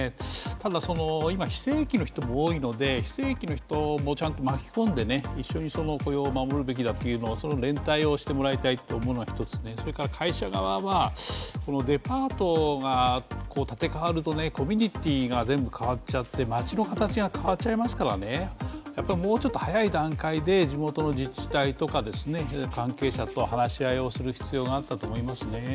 ただ、今、非正規の人も多いので非正規の人もちゃんと巻き込んで一緒に雇用を守るべきだという連帯をしてもらいたいと思うのが１つそれから会社側はデパートが建て変わるとコミュニティーが変わっちゃって街の形が変わっちゃうのでもうちょっと早い段階で地元の自治体とか関係者を話し合いをする必要があったと思いますね